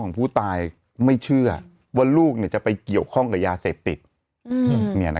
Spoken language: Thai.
ผู้ตายไม่เชื่อว่าลูกจะไปเกี่ยวข้องกับยาเสพติด